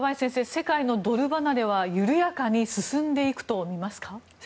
世界のドル離れは緩やかに進んでいくと見ますか？